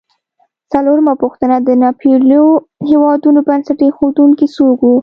څلورمه پوښتنه: د ناپېیلو هېوادونو بنسټ ایښودونکي څوک و؟